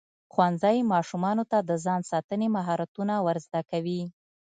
ښوونځی ماشومانو ته د ځان ساتنې مهارتونه ورزده کوي.